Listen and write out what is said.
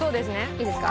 いいですか？